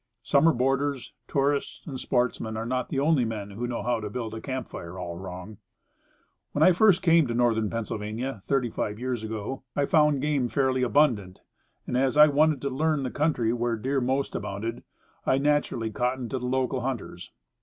Summer boarders, tourists and sportsmen, are not the only men who know how to build a camp fire all wrong. When I first came to Northern Pennsylvania, thirty five years ago, I found game fairly abundant; and, as I wanted to learn the country where deer most abounded, I naturally cottoned to the local hunters.